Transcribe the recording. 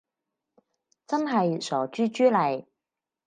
真係傻豬豬嚟